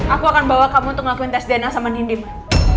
aku akan bawa kamu untuk ngelakuin tes dna sama nindi mah